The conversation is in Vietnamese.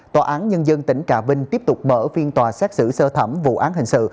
tòa án nhân dân tỉnh trà vinh tiếp tục mở phiên tòa xét xử sơ thẩm vụ án hình sự